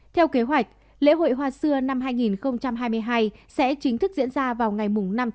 theo kế hoạch lễ hội hoa xưa năm hai nghìn hai mươi hai sẽ chính thức diễn ra vào ngày năm tháng bốn